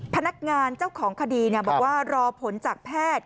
พนักงานเจ้าของคดีบอกว่ารอผลจากแพทย์